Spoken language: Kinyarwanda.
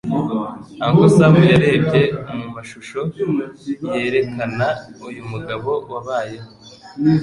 Uncle Sam yarebye mu mashusho yerekana uyu mugabo wabayeho